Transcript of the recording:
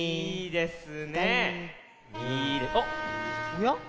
おや？